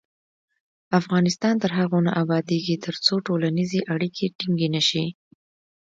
افغانستان تر هغو نه ابادیږي، ترڅو ټولنیزې اړیکې ټینګې نشي.